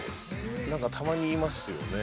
なんかたまにいますよね。